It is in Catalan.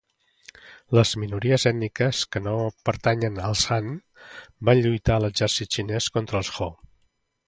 Les minories ètniques que no pertanyen als Han van lluitar a l'exèrcit xinès contra els Ho.